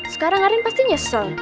sekarang arin pasti nyesel